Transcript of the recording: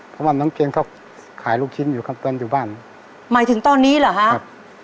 เพราะว่าน้องเกียงเขาขายลูกชิ้นอยู่ครับตอนอยู่บ้านหมายถึงตอนนี้เหรอครับ